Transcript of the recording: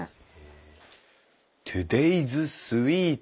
トゥデイズスイーツ。